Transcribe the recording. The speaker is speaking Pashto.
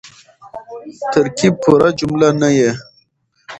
ترکیب پوره جمله نه يي.